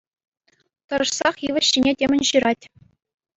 Тӑрӑшсах йывӑҫ ҫине темӗн ҫырать.